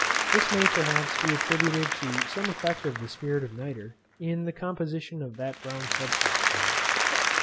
This may perhaps be attributed to some effect of the spirit of nitre, in the composition of that brown substance.